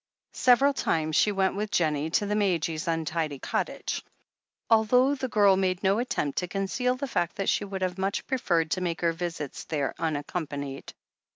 Several times she went with Jennie to the Madges' untidy cottage, although the girl made no attempt to conceal the fact that she would have much preferred to make her visits there unaccompanied.